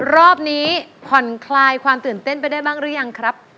รอบนี้ผ่อนคลายความตื่นเต้นไปได้บ้างหรือยังครับ